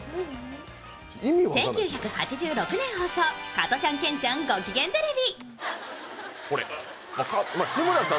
１９８６年放送「加トちゃんケンちゃんごきげんテレビ」。